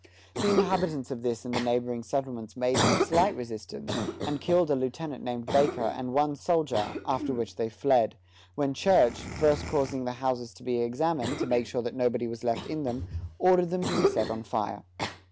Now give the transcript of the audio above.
The inhabitants of this and the neighboring settlements made some slight resistance, and killed a lieutenant named Baker, and one soldier, after which they fled; when Church, first causing the houses to be examined, to make sure that nobody was left in them, ordered them to be set on fire.